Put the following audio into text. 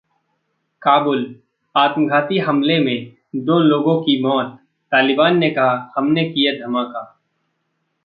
काबुल: आत्मघाती हमले में दो लोगों की मौत, तालिबान ने कहा- हमने किया धमाका